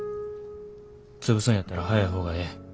潰すんやったら早い方がええ。